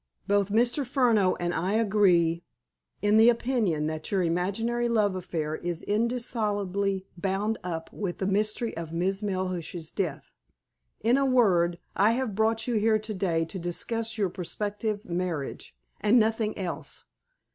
Both Mr. Furneaux and I agree in the opinion that your imaginary love affair is indissolubly bound up with the mystery of Miss Melhuish's death. In a word, I have brought you here today to discuss your prospective marriage, and nothing else.